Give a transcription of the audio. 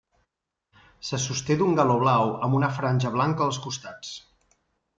Se sosté d'un galó blau amb una franja blanca als costats.